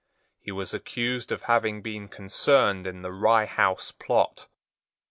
He was accused of having been concerned in the Rye House Plot.